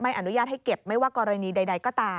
อนุญาตให้เก็บไม่ว่ากรณีใดก็ตาม